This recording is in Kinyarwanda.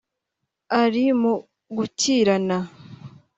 ari mu gukirana